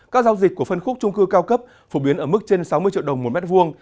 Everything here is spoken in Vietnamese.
các giao dịch của phân khúc trung cư cao cấp phổ biến ở mức trên sáu mươi triệu đồng một mét vuông